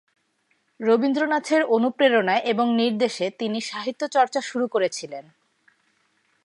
রবীন্দ্রনাথের অনুপ্রেরণা এবং নির্দেশে তিনি সাহিত্যচর্চা শুরু করেছিলেন।